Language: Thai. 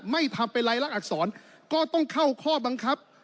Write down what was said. ไม่ทำเป็นรายลักษรก็ต้องเข้าข้อบังคับ